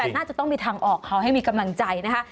แต่น่าจะต้องมีทางออกเขาให้มีกำลังใจนะคะ